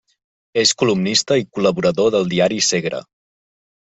És columnista i col·laborador del Diari Segre.